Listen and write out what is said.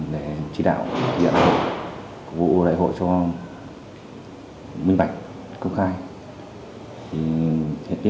để chỉ đạo việc đại hội vụ đại hội cho minh bạch công khai